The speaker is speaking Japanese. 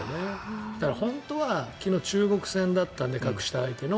本当は昨日は中国戦だったので、格下相手の。